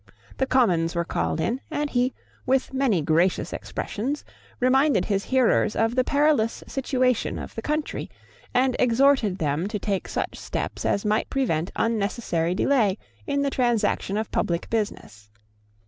The Commons were called in; and he, with many gracious expressions, reminded his hearers of the perilous situation of the country, and exhorted them to take such steps as might prevent unnecessary delay in the transaction of public business.